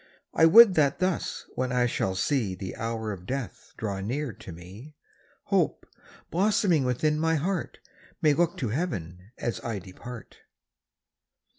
I would that thus, when I shall see The hour of death draw near to me, Hope, blossoming within my heart, May look to heaven as I depart.